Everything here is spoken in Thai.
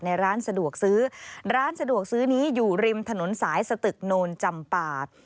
ในร้านสะดวกซื้อร้านสะดวกซื้อนี้อยู่ริมถนนสายสตึกโนนจำปา